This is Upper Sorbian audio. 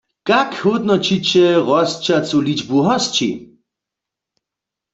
Kak hódnoćiće rosćacu ličbu hosći?